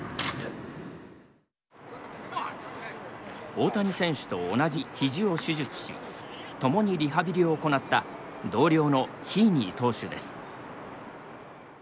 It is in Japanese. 大谷選手と同じひじを手術し共にリハビリを行った同僚のヒーニー投手です。